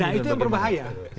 tidak itu yang berbahaya